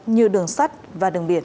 như đường sắt và đường biển